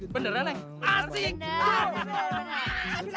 beneran eh asik